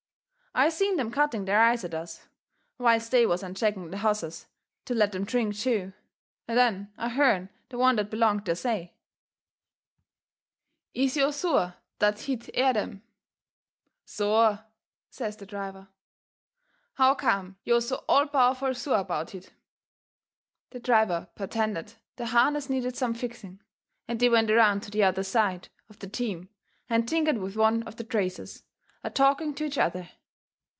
I seen them cutting their eyes at us, whilst they was unchecking the hosses to let them drink too, and then I hearn the one that belonged there say: "Is yo' SUAH dat hit air dem?" "SUAH!" says the driver. "How come yo' so all powerful SUAH about hit?" The driver pertended the harness needed some fixing, and they went around to the other side of the team and tinkered with one of the traces, a talking to each other.